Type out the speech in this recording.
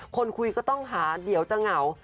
คนคุยก็ต้องหาเดี๋ยวจะเหงา